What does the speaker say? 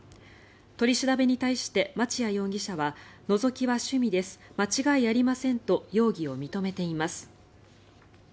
取り調べに対して町屋容疑者はのぞきは趣味です間違いありませんと容疑を認めています。